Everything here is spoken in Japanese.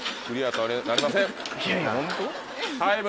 タイム。